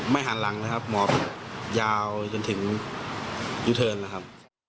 ไม่หางลังนะครับมองยาวจนถึงยูเทินแล้วครับ